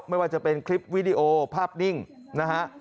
ไม่ว่าจะเป็นคลิปวิดีโอภาพนิ่งนะฮะ